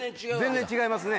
全然違いますね。